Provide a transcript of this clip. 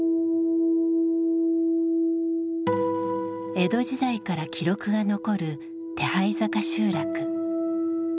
江戸時代から記録が残る手這坂集落。